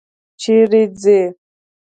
چیرې څې؟